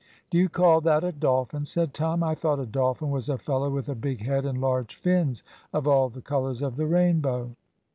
"Do you call that a dolphin?" said Tom. "I thought a dolphin was a fellow with a big head and large fins, of all the colours of the rainbow."